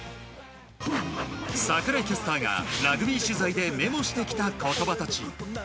櫻井キャスターがラグビー取材でメモしてきた言葉たち。